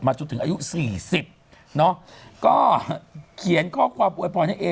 มาจนถึงอายุ๔๐ก็เขียนความเป็นความอวยพร้อมให้เอ